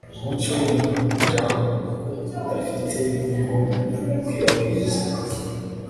umuco ni nka jam, uko udafite, niko ukwirakwiza